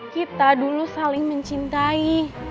kita dulu saling mencintai